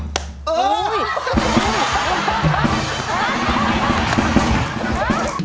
โอ้ย